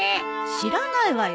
知らないわよ。